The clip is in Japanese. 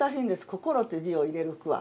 「心」という字を入れる句は。